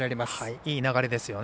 いい流れですよね。